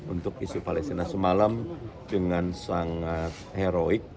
untuk isu palestina semalam dengan sangat heroik